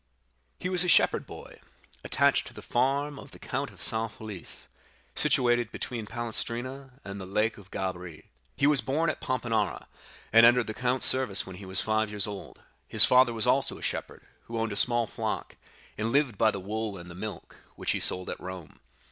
"He was a shepherd boy attached to the farm of the Count of San Felice, situated between Palestrina and the Lake of Gabri; he was born at Pampinara, and entered the count's service when he was five years old; his father was also a shepherd, who owned a small flock, and lived by the wool and the milk, which he sold at Rome.